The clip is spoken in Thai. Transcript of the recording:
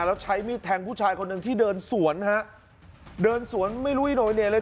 แล้วใช้มีดแทงผู้ชายคนหนึ่งที่เดินสวนฮะเดินสวนไม่รู้อีโนเนยเลย